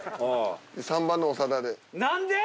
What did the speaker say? ３番の長田で。